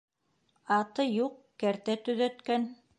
Аты юҡ, кәртә төҙәткән.